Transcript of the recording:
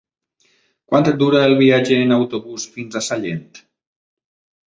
Quant dura el viatge en autobús fins a Sallent?